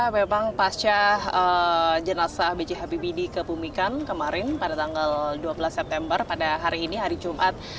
memang pasca jenazah b j habibie dikebumikan kemarin pada tanggal dua belas september pada hari ini hari jumat